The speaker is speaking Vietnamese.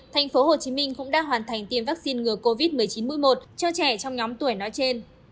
tp hcm cũng đã hoàn thành tiêm vaccine ngừa covid một mươi chín mũi một cho trẻ trong nhóm tuổi nói trên